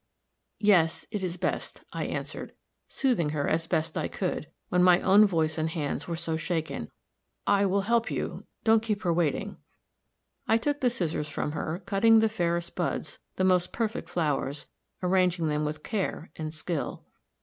"Yes, it is best," I answered, soothing her as best I could, when my own voice and hands were so shaken. "I will help you. Don't keep her waiting." I took the scissors from her, cutting the fairest buds, the most perfect flowers, arranging them with care and skill.